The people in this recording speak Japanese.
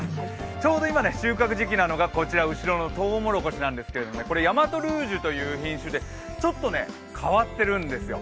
ちょうど今、収穫時期なのが後ろのとうもろこしなんですけど、これ、大和ルージュという品種でちょっと変わってるんですよ。